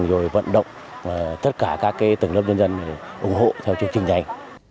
rồi vận động tất cả các tầng lớp dân dân ủng hộ theo chương trình dành